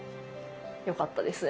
よかったですね。